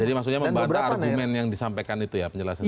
jadi maksudnya membantah argumen yang disampaikan itu ya penjelasannya